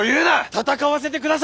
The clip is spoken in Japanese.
戦わせてくだされ！